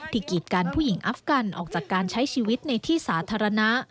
กีดกันผู้หญิงอัฟกันออกจากการใช้ชีวิตในที่สาธารณะ